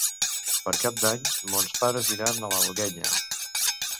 Per Cap d'Any mons pares iran a l'Alguenya.